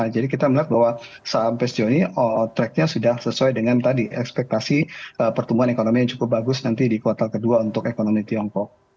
jadi kita melihat bahwa saham psj ini tracknya sudah sesuai dengan tadi ekspektasi pertumbuhan ekonomi yang cukup bagus nanti di kuartal kedua untuk ekonomi tiongkok